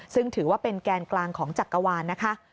ซึ่งถือว่าเป็นแกนกลางของจักรวาลนะคะ